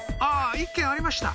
１軒ありました